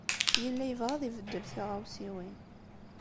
Yella yebɣa ad ibeddel tiɣawsiwin.